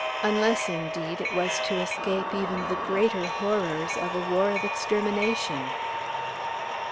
unless, indeed, it was to escape even the greater horrors of a war of extermination.